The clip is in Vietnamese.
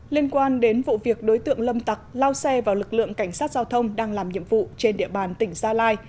liên quan đến vụ việc đối tượng lâm tặc lao xe vào lực lượng cảnh sát giao thông đang làm nhiệm vụ trên địa bàn tỉnh gia lai